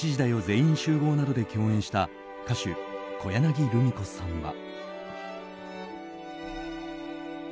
全員集合」などで共演した歌手・小柳ルミ子さんは。